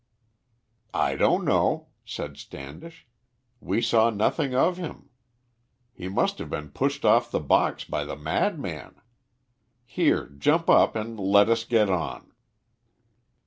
"I don't know," said Standish. "We saw nothing of him. He must have been pushed off the box by the madman. Here, jump up and let us get on."